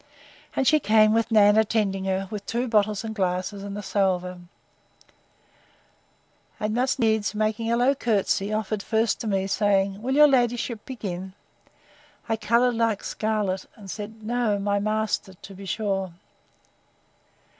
And she came, with Nan attending her, with two bottles and glasses, and a salver; and must needs, making a low courtesy, offered first to me; saying, Will your ladyship begin? I coloured like scarlet, and said, No;—my master, to be sure!